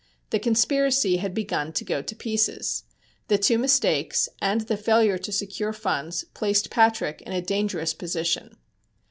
The conspiracy had begun to go to pieces. The two mistakes and the failure to secure funds placed Patrick in a dangerous position.